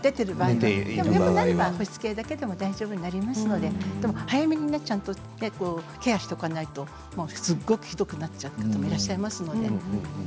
でも、なければ保湿系だけでも大丈夫になりますのででも早めにケアしておかないとひどくなってしまう方もいらっしゃいますので。